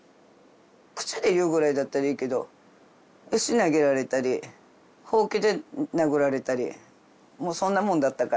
口で言うぐらいだったらいいけど石投げられたりホウキで殴られたりもうそんなもんだったからさ。